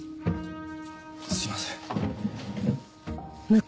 すいません。